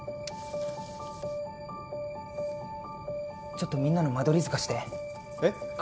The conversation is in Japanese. ちょっとみんなの間取り図貸して。